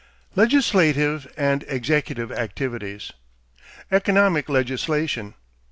LEGISLATIVE AND EXECUTIVE ACTIVITIES =Economic Legislation.